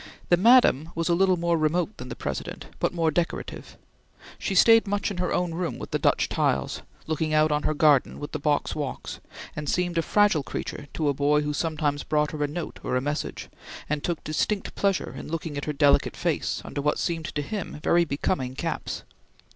The Madam was a little more remote than the President, but more decorative. She stayed much in her own room with the Dutch tiles, looking out on her garden with the box walks, and seemed a fragile creature to a boy who sometimes brought her a note or a message, and took distinct pleasure in looking at her delicate face under what seemed to him very becoming caps.